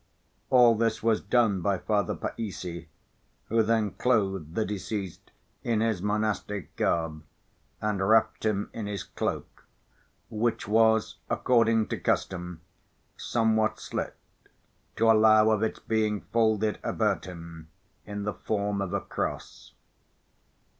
All this was done by Father Païssy, who then clothed the deceased in his monastic garb and wrapped him in his cloak, which was, according to custom, somewhat slit to allow of its being folded about him in the form of a cross.